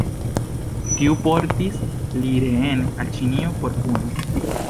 Tiu portis lin reen al Ĉinio por puno.